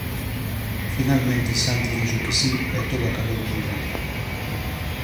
Finalmente Santi dixo que si e todo acabou moi ben.